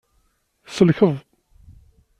Tselkeḍ.